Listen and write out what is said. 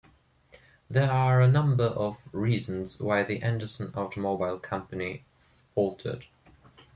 There are a number of reasons why the Anderson Automobile Company faltered.